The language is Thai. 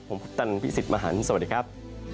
ผมพุทธนันพี่สิทธิ์มหันฯสวัสดีครับ